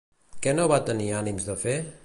Què no va tenir ànims de fer?